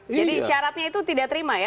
syaratnya itu tidak terima ya